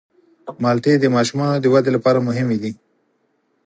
مالټې د ماشومانو د ودې لپاره مهمې دي.